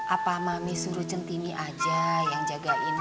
apa mami suruh cinti ini aja yang jagain bu rono